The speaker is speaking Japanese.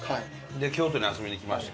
で京都に遊びに来ました。